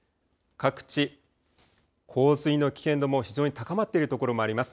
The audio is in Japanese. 各地、洪水の危険度も非常に高まっているところもあります。